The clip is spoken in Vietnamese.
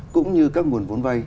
cũng như các nguồn vốn vay